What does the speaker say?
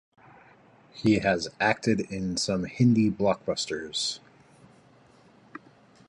He has acted in some Hindi blockbusters.